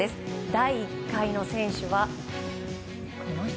第１回の選手は、この人。